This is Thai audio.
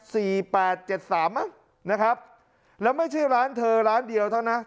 แปดเจ็ดสามมั้งนะครับแล้วไม่ใช่ร้านเธอร้านเดียวเท่านั้น